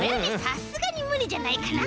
さすがにむりじゃないかな。